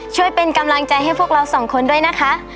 ช่วยเป็นกำลังใจให้พวกเราสองคนด้วยนะคะ